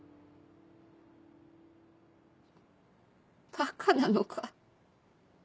バカなのか。